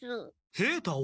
平太を？